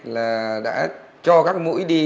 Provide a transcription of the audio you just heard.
là đã cho các mũi đi